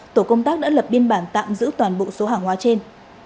tổ công tác đã lập biên bản tạm giữ toàn bộ số hàng hóa trên